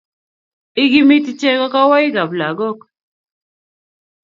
Ikimiti chego kowoikab lagok